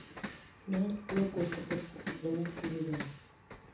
نارت بروک ورته په ځواب کې وویل.